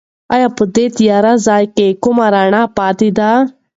ایا په دې تیاره ځای کې کومه رڼا پاتې ده؟